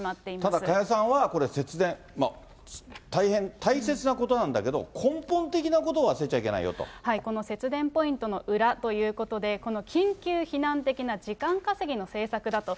ただ、加谷さんはこれ、節電、大変大切なことなんだけど、根本この節電ポイントの裏ということで、この緊急避難的な時間稼ぎの政策だと。